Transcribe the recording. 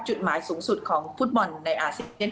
จุดหมายสูงสุดของฟุตบอลในอาเซียน